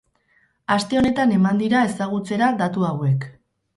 Aste honetan eman dira ezagutzera datu hauek.